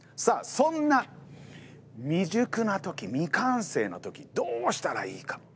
さあそんな未熟な時未完成な時どうしたらいいか。